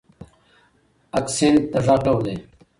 اکسنټ د غږ ډول دی.